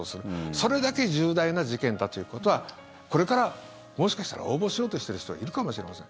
それだけ重大な事件だということはこれから、もしかしたら応募しようとしてる人いるかもしれません。